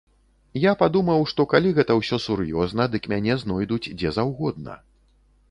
Я падумаў, што калі гэта ўсё сур'ёзна, дык мяне знойдуць дзе заўгодна.